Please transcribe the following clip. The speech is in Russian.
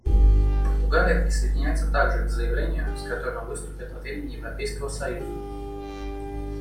Португалия присоединяется также к заявлению, с которым выступят от имени Европейского союза.